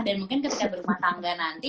dan mungkin ketika berumah tangga nanti